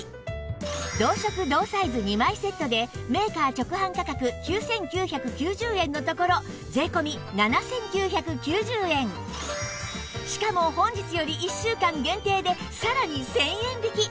同色同サイズ２枚セットでメーカー直販価格９９９０円のところ税込７９９０円しかも本日より１週間限定でさらに１０００円引き